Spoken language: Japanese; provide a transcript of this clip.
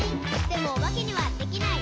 「でもおばけにはできない。」